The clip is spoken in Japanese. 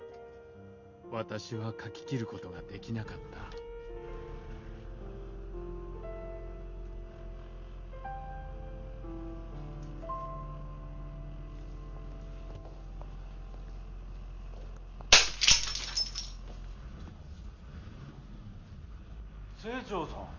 私は書き切ることができなかった清張さん！